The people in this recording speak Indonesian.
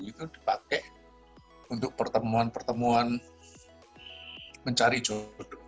itu dipakai untuk pertemuan pertemuan mencari jodoh